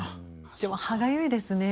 でも歯がゆいですね。